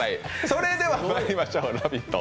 それでは、まいりましょうラヴィット！